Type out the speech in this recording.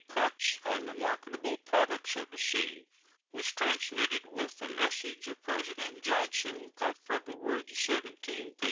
Cutts on the marketable products of the sea was transmitted with the message of President Johnson of February 17, 1869.